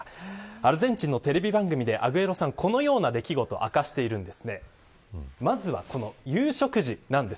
アルゼンチンのテレビ番組でアグエロさんこのような出来事を明かしているんです。